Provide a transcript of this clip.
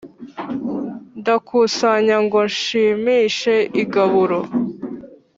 Ndakusanya ngo gishime igaburo.